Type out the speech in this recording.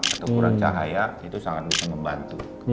atau kurang cahaya itu sangat bisa membantu